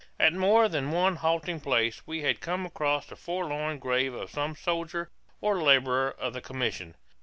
At more than one halting place we had come across the forlorn grave of some soldier or laborer of the commission.